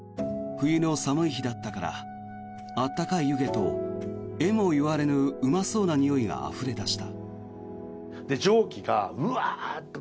冬の寒い日だったからあったかい湯気とえもいわれぬうまそうなにおいがあふれ出した。